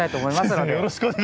先生よろしくお願いいたします。